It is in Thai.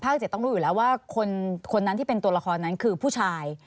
๗ต้องรู้อยู่แล้วว่าคนนั้นที่เป็นตัวละครนั้นคือผู้ชาย